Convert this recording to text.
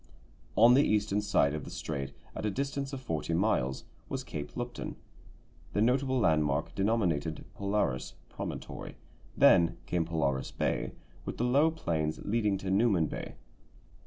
On the eastern side of the strait, at a distance of forty miles, was Cape Lupton, the notable landmark denominated Polaris Promontory; then came Polaris Bay with the low plains leading to Newman Bay.